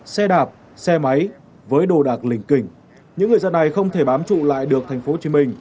xe đạp xe máy với đồ đạc linh kỉnh những người dân này không thể bám trụ lại được tp hcm